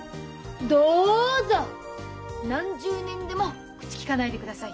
・どうぞ何十年でも口きかないでください。